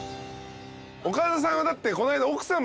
岡田さんはだって。